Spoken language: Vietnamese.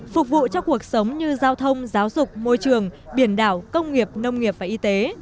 phục vụ cho cuộc sống như giao thông giáo dục môi trường biển đảo công nghiệp nông nghiệp và y tế